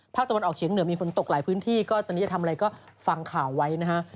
ตะวันออกเฉียงเหนือมีฝนตกหลายพื้นที่ก็ตอนนี้จะทำอะไรก็ฟังข่าวไว้นะฮะ